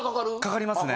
かかりますね。